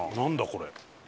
これ。